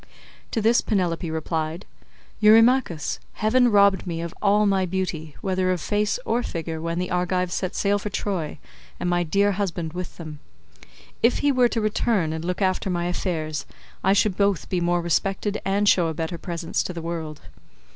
To this Penelope replied, "Eurymachus, heaven robbed me of all my beauty whether of face or figure when the Argives set sail for Troy and my dear husband with them. If he were to return and look after my affairs, I should both be more respected and show a better presence to the world.